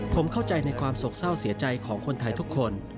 ผมเข้าใจในความโศกเศร้าเสียใจของคนไทยทุกคน